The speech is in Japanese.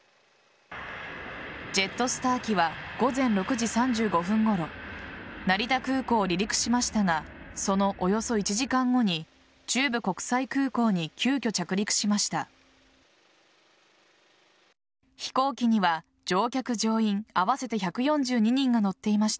ジェットスター機は午前６時３５分ごろ成田空港を離陸しましたがそのおよそ１時間後に中部国際空港に急きょ着陸しました。